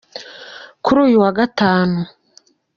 kuri uyu wa Gatanu.